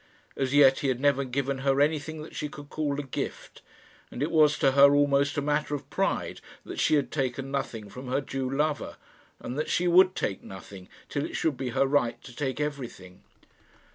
As yet he had never given her anything that she could call a gift, and it was to her almost a matter of pride that she had taken nothing from her Jew lover, and that she would take nothing till it should be her right to take everything.